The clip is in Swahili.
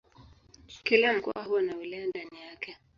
Kila mkoa huwa na wilaya ndani yake.